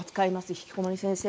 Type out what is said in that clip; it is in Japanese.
「ひきこもり先生」。